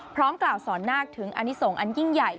พร้อมกล่าวสอนนาคถึงอนิสงฆ์อันยิ่งใหญ่